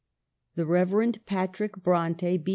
The Rev. Patrick Bronte, B.